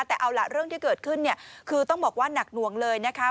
แต่เอาล่ะเรื่องที่เกิดขึ้นเนี่ยคือต้องบอกว่าหนักหน่วงเลยนะคะ